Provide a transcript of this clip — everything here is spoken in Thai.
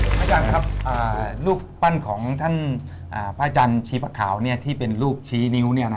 อาจารย์ครับรูปปั้นของท่านพระอาจารย์ชี้ประขาวที่เป็นรูปชี้นิ้ว